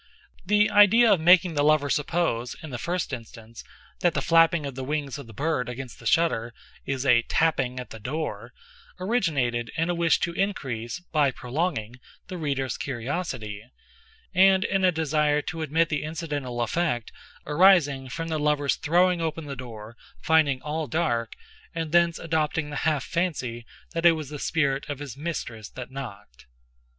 The idea of making the lover suppose, in the first instance, that the flapping of the wings of the bird against the shutter, is a "tapping" at the door, originated in a wish to increase, by prolonging, the reader's curiosity, and in a desire to admit the incidental effect arising from the lover's throwing open the door, finding all dark, and thence adopting the half fancy that it was the spirit of his mistress that knocked.